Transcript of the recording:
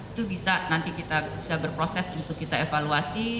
itu bisa nanti kita bisa berproses untuk kita evaluasi